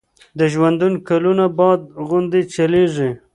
د ژوندون کلونه باد غوندي چلیږي